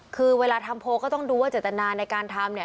คือเวลาทำโพลก็ต้องดูว่าเจตนาในการทำเนี่ย